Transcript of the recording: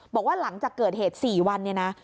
บอกว่าหลังจากเกิดเหตุ๔วันเนี่ยนะ